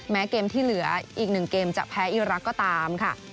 แม้เกมที่เหลืออีก๑เกมจะแพ้อีรักษ์ก็ตามค่ะ